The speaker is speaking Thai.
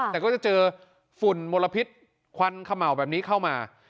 แต่ก็จะเจอฝุ่นมลพิษควันเขม่าแบบนี้เข้ามา